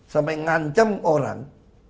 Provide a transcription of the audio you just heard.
sampai ngancam orang